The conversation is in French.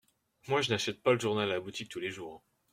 Moi, je n’achète pas le journal à la boutique tous les jours.